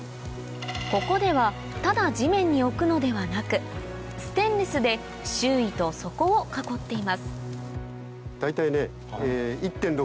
・ここではただ地面に置くのではなくステンレスで周囲と底を囲っています大体ね。